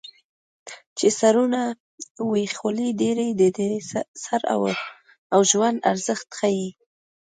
چې سرونه وي خولۍ ډېرې دي د سر او ژوند ارزښت ښيي